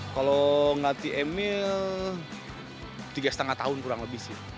kalau ngelatih emil tiga setengah tahun kurang lebih sih